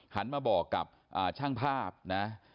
หันมาบอกกับช่างภาพนะ